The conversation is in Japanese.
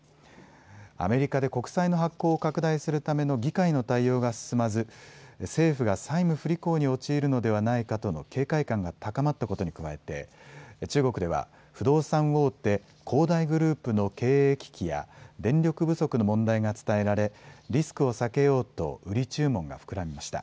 アメリカで国債の発行を拡大するための議会の対応が進まず政府が債務不履行に陥るのではないかとの警戒感が高まったことに加えて中国では不動産大手、恒大グループの経営危機や電力不足の問題が伝えられリスクを避けようと売り注文が膨らみました。